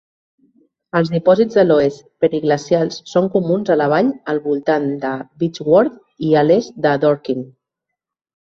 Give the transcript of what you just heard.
Els dipòsits de "loess" periglacials són comuns a la vall al voltant de Betchworth i a l'est de Dorking.